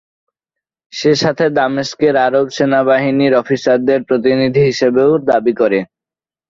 সেসাথে দামেস্কের আরব সেনাবাহিনীর অফিসারদের প্রতিনিধি হিসেবেও দাবি করেন।